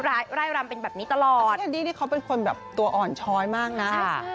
ไล่รำเป็นแบบนี้ตลอดพี่แคนดี้นี่เขาเป็นคนแบบตัวอ่อนช้อยมากนะ